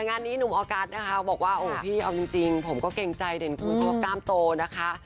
งานนี้หนุ่มออกัสนะคะบอกว่าโอ้พี่เอาจริงผมก็เกรงใจเด่นคุณพ่อกล้ามโตนะคะ